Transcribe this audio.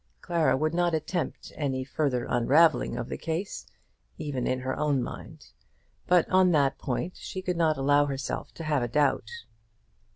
Clara would not attempt any further unravelling of the case, even in her own mind; but on that point she could not allow herself to have a doubt.